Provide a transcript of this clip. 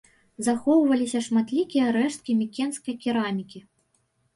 Захоўваліся шматлікія рэшткі мікенскай керамікі.